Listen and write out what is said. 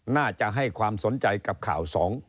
น่าจะให้ความสนใจกับข่าวสอง